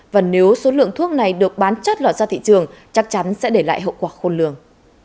và nếu số lượng thuốc này được bán chất lọt ra thị trường chắc chắn sẽ để lại hậu quả khôn lường